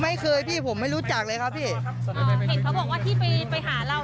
ไม่เคยพี่ผมไม่รู้จักเลยครับพี่ครับอ่าเห็นเขาบอกว่าที่ไปไปหาเรา